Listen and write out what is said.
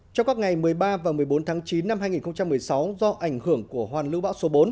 trong các ngày một mươi ba và một mươi bốn tháng chín năm hai nghìn một mươi sáu do ảnh hưởng của hoàn lưu bão số bốn